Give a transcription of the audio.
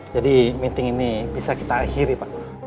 jadi meeting ini bisa kita akhiri pak